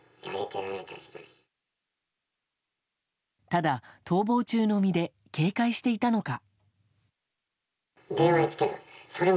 ただ、逃亡中の身で警戒していたのか。